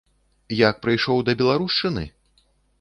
Як прыйшоў да беларушчыны?